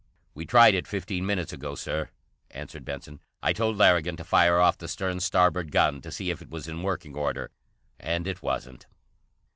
"We tried it fifteen minutes ago, Sir," answered Benson. "I told Larrigan to fire off the stern starboard gun to see if it was in working order, and it wasn't!"